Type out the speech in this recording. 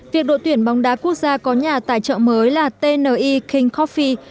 việc đội tuyển bóng đá quốc gia có nhà tài trợ mới là tni king coffee